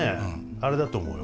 あれだと思うよ。